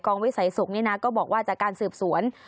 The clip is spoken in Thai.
กองวิสัยศุกร์เนี่ยนะก็บอกว่าจากการสืบสวน